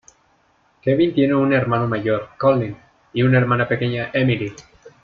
Kevin tiene un hermano mayor, Collin, y una hermana pequeña, Emily.